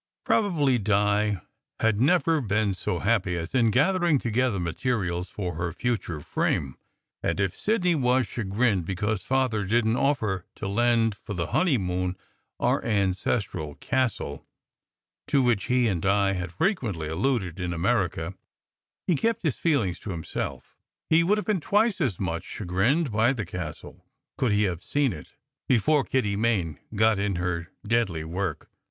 Probably Di had never been so happy as in gathering together materials for her future frame; and if Sidney was chagrined because Father didn t offer to lend for the honeymoon our ancestral castle (to SECRET HISTORY 181 which he and Di had frequently alluded in America) he kept his feelings to himself. He would have been twice as much chagrined by the castle could he have seen it before Kitty Main got in her deadly work.